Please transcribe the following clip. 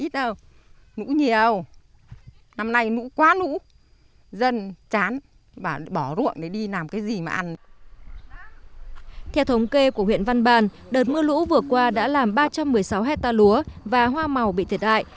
theo thống kê của huyện văn bàn đợt mưa lũ vừa qua đã làm ba trăm một mươi sáu hectare lúa và hoa màu bị thiệt hại